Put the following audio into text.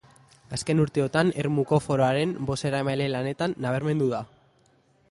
Azken urteotan Ermuko Foroaren bozeramaile-lanetan nabarmendu da.